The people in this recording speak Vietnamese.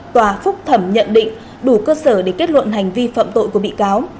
tòa phúc thẩm nhận định đủ cơ sở để kết luận hành vi phạm tội của bị cáo